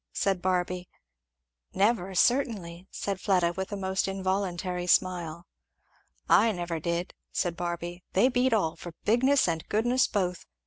said Barby. "Never, certainly," said Fleda with a most involuntary smile. "I never did," said Barby. "They beat all, for bigness and goodness both.